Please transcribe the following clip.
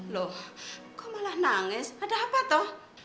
loh kok malah nangis ada apa toh